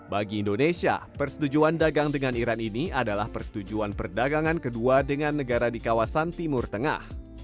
bagi indonesia persetujuan dagang dengan iran ini adalah persetujuan perdagangan kedua dengan negara di kawasan timur tengah